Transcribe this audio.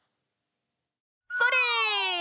それ！